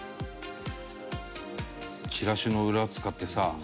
チラシの裏使ってさ。